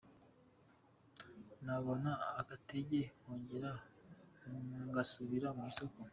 Nabona agatege, nkongera ngasubira mu isoko.